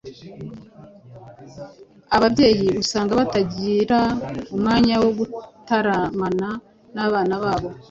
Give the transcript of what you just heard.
Ababyeyi usanga batakigira umwanya wo gutaramana n’abana babo